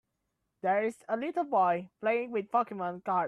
There is a little boy, playing with Pokemon cards.